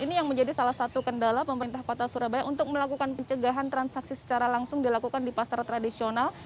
ini yang menjadi salah satu kendala pemerintah kota surabaya untuk melakukan pencegahan transaksi secara langsung dilakukan di pasar tradisional